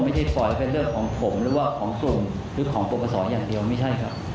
ปล่อยให้เป็นเรื่องของผมหรือว่าของกลุ่มหรือของปรปศอย่างเดียวไม่ใช่ครับ